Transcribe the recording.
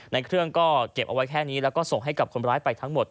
ในเครื่องก็เก็บเอาไว้แค่นี้แล้วก็ส่งให้กับคนร้ายไปทั้งหมด